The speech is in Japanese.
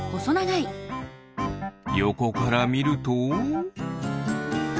よこからみると？